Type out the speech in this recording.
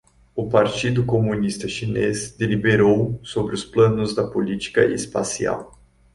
O Partido Comunista Chinês deliberou sobre os planos da política espacial